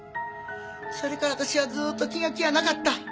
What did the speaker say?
それから私はずっと気が気やなかった。